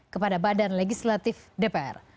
kepada badan legislatif dpr